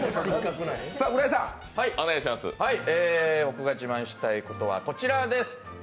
僕が自慢したいことはこちらです。